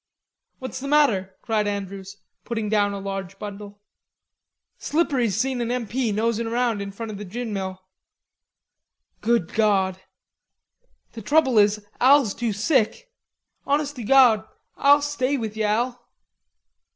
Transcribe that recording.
"What's the matter?" cried Andrews, putting down a large bundle. "Slippery's seen a M. P. nosin' around in front of the gin mill." "Good God!" "They've beat it.... The trouble is Al's too sick.... Honest to gawd, Ah'll stay with you, Al."